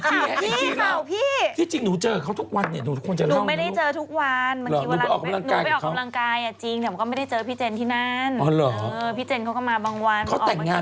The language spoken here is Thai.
ฮะพี่เขาพี่ที่จริงหนูเจอเขาทุกวันเนี้ยหนูควรจะเล่าหนูไม่ได้เจอทุกวัน